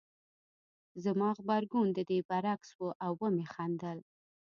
زما غبرګون د دې برعکس و او ومې خندل